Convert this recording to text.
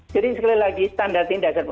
jadi sekali lagi standar tindakan